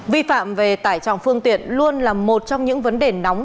vi phạm về tải trọng phương tiện luôn là một trong những vấn đề nóng